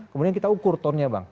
kemudian kita ukur tone nya bang